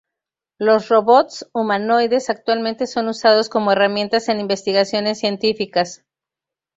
Los robots humanoides actualmente son usados como herramienta en investigaciones científicas.